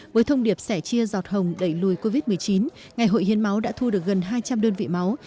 với thông điệp sẻ chia giọt hồng đẩy lùi covid một mươi chín ngày hội hiến máu đã thu được gần hai trăm linh đơn vị máu